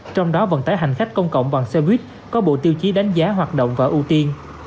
trong đó vận tải hành khách công cộng bằng xe buýt có bộ tiêu chí đánh giá hoạt động và ưu tiên